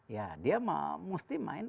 ya dia mesti main